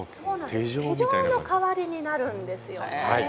手錠の代わりになるんですね。